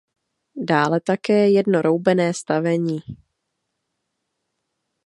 Dále také jedno roubené stavení.